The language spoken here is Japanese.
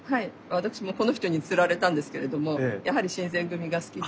私もこの人につられたんですけれどもやはり新選組が好きで。